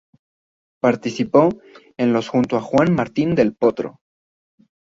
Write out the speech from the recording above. Participó en los junto a Juan Martín del Potro.